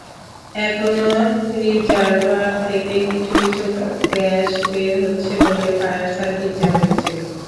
এখনো রিজার্ভার থেকে কিছু কিছু গ্যাস বের হচ্ছে বলে ফায়ার সার্ভিস জানিয়েছে।